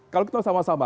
kalau kita sama sama